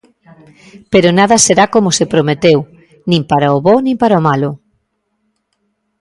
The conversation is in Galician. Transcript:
Pero nada será como se prometeu, nin para o bo nin para o malo.